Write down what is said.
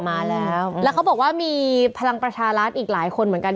มาแล้วแล้วเขาบอกว่ามีพลังประชารัฐอีกหลายคนเหมือนกัน